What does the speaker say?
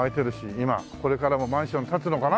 これからもマンション建つのかな？